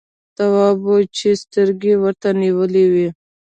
تواب وچې سترګې ورته نيولې وې.